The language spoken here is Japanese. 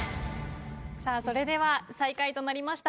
さあそれでは最下位となりました